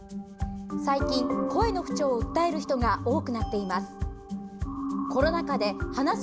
最近、声の不調を訴える人が多くなっています。